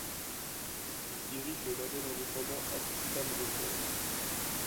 Il dirige le label indépendant Ad Vitam Records.